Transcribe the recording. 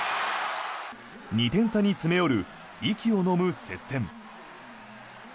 ２点差に詰め寄る息をのむ接戦。